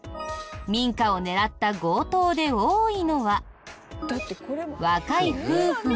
民家を狙った強盗で多いのは若い夫婦の家？